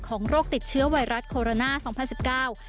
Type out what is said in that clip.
โรคติดเชื้อไวรัสโคโรนาสองพันสิบเก้า